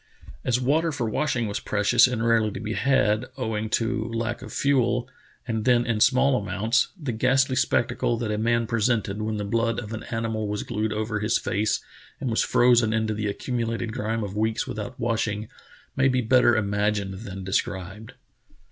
As water for washing was precious and rarely to be had, owing to lack of fuel, and then in small amounts, the ghastly spectacle that a man presented when the blood of an animal was glued over his face, and was frozen into the accumulated grime of weeks without washing, may be better imagined than de scribed.